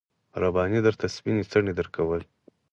رباني درته سپين څڼې درکول.